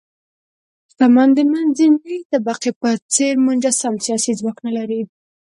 شتمن د منځنۍ طبقې په څېر منسجم سیاسي ځواک نه لري.